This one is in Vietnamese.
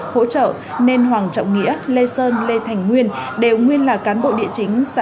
hỗ trợ nên hoàng trọng nghĩa lê sơn lê thành nguyên đều nguyên là cán bộ địa chính xã